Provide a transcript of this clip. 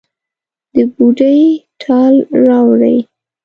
د بوډۍ ټال راوړي